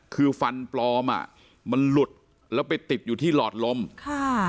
คือฟันปลอมอ่ะมันหลุดแล้วไปติดอยู่ที่หลอดลมค่ะ